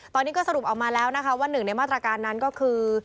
ตอนนี้ก็สรุปออกมาแล้วนะคะว่าหนึ่งในมาตรการนั้นก็คือ